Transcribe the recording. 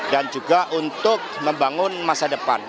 dan juga untuk membangun masa depan